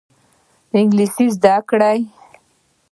انګلیسي زده کړئ